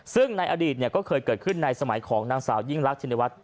ซึ่งในอดีตก็เคยเกิดขึ้นในสมัยของนางสาวยิ่งรักชินวัฒน